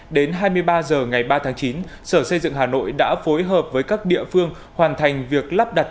đến hai mươi ba h ngày ba tháng chín sở xây dựng hà nội đã phối hợp với các địa phương hoàn thành việc lắp đặt